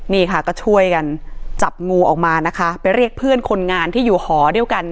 นี่ค่ะก็ช่วยกันจับงูออกมานะคะไปเรียกเพื่อนคนงานที่อยู่หอเดียวกัน